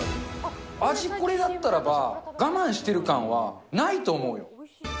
味、これだったらば、我慢してる感はないと思う。